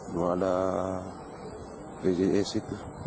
belum ada bpjs itu